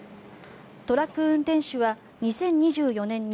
トラック運転手は２０２４年に